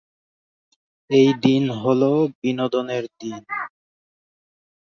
এই দিন হল বিনোদনের দিন।